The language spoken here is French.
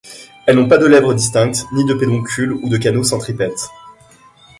Elles n'ont pas de lèvres distinctes, ni de pédoncule ou de canaux centripètes.